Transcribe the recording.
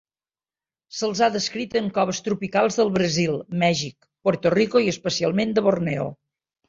Se'ls ha descrit en coves tropicals del Brasil, Mèxic, Puerto Rico i, especialment, de Borneo.